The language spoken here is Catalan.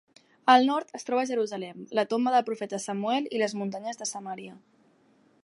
Al nord es troba Jerusalem, la tomba del profeta Samuel i les muntanyes de Samaria.